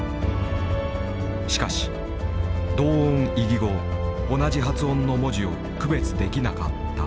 しかし同音異義語同じ発音の文字を区別できなかった。